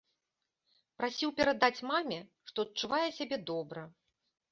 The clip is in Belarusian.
Прасіў перадаць маме, што адчувае сябе добра.